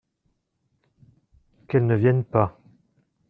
Qu’elles ne viennent pas.